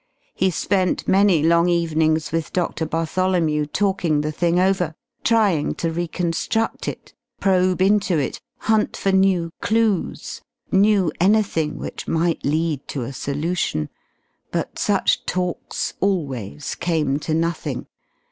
He spent many long evenings with Doctor Bartholomew talking the thing over, trying to reconstruct it, probe into it, hunt for new clues, new anything which might lead to a solution. But such talks always came to nothing.